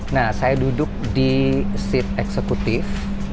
nah saya duduk di seat eksekutif